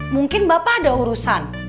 mungkin bapak ada urusan